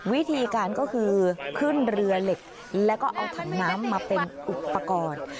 วิธีการก็คือขึ้นเรือเหล็กแล้วก็เอาถังน้ำมาเป็นอุปกรณ์